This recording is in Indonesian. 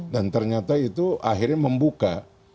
ternyata itu akhirnya membuka